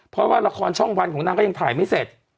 เพราะว่าละครช่องวันของนางก็ยังถ่ายไม่เสร็จ